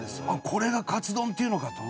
「これがカツ丼っていうのか」と。